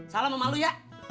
salam sama lu ya